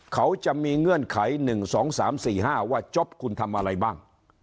เขาจะมีเงื่อนไข๑๒๓๔๕ว่าจบคุณทำอะไรบ้าง